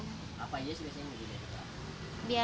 apa aja biasanya yang lebih baik